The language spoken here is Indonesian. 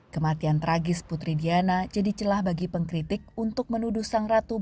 kematian tragis putri diana jadi celah bagi pengkritik untuk menuduh sang ratu